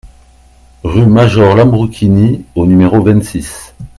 Rue Major Lambruschini au numéro vingt-six